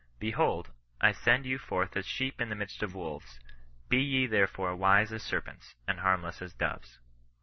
Be hold, I send you forth as sheep in the midst of wolves : be ye therefore wise as serpents, and harmless as doves."